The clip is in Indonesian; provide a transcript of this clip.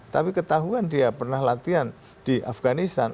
tapi ketahuan dia pernah latihan di afganistan